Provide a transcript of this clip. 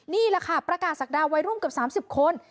นี่แหละค่ะประกาศศักดาวัยรุ่นเกือบ๓๐คน